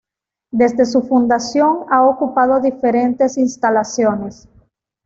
Desde su fundación ha ocupado diferentes instalaciones.